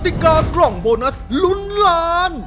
ติกากล่องโบนัสลุ้นล้าน